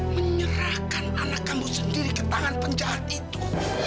menyerahkan anak kamu sendiri ke tangan penjahat itu